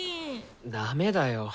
ダメだよ。